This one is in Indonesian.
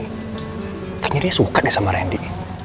kayaknya dia suka deh sama randy